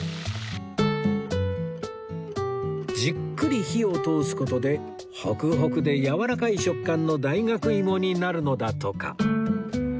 じっくり火を通す事でホクホクでやわらかい食感の大学芋になるのだとか